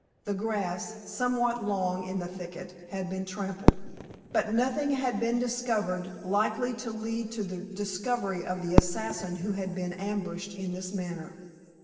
The grass somewhat long in the thicket had been trampled. But nothing had been discovered likely to lead to the discovery of the assassin who had been ambushed in this manner.